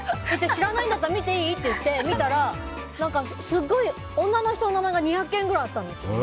知らないなら、見ていい？って言って見たら、すごい女の人の名前が２０件ぐらいあったんです。